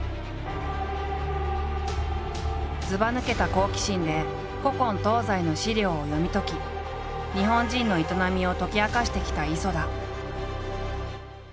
ずばぬけた好奇心で古今東西の史料を読み解き日本人の営みを解き明かしてきた磯田。